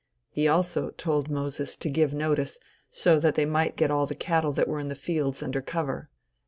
He also told Moses to give notice, so that they might get all the cattle that were in the fields under cover.